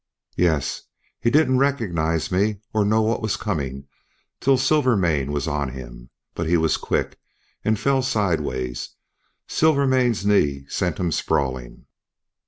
"Yes. He didn't recognize me or know what was coming till Silvermane was on him. But he was quick, and fell sidewise. Silvermane's knee sent him sprawling."